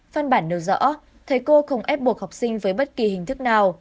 phan bản nêu rõ thấy cô không ép buộc học sinh với bất kỳ hình thức nào